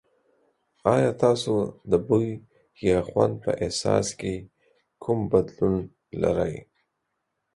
ایا تاسو د بوی یا خوند په احساس کې کوم بدلون لرئ؟